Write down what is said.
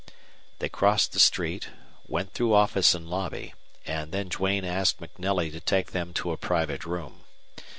They crossed the street, went through office and lobby, and then Duane asked MacNelly to take them to a private room.